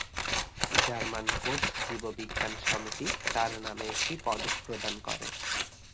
German কোষ জীববিজ্ঞান সমিতি তার নামে একটি পদক প্রদান করে।